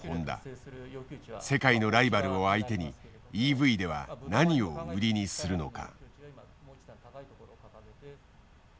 世界のライバルを相手にＥＶでは何を売りにするのか。